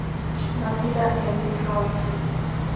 Nacida en Detroit.